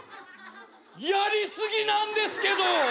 やり過ぎなんですけど。